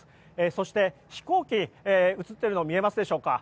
そして、飛行機が映っているのが見えますでしょうか。